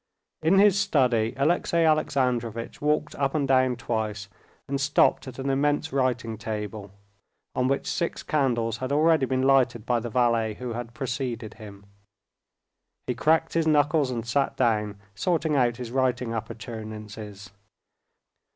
In his study Alexey Alexandrovitch walked up and down twice, and stopped at an immense writing table, on which six candles had already been lighted by the valet who had preceded him. He cracked his knuckles and sat down, sorting out his writing appurtenances.